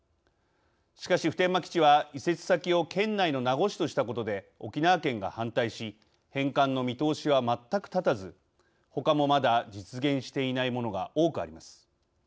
しかし普天間基地は移設先を県内の名護市としたことで沖縄県が反対し返還の見通しは全く立たずほかもまだ実現していないものが多くあります。